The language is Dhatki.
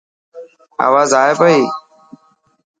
آواز آي پئي.